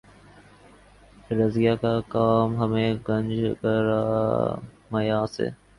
رضیہؔ کیا کام ہمیں گنج گراں مایہ سے